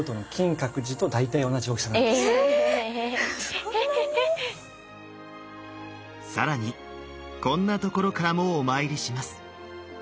そんなに⁉更にこんなところからもお参りします。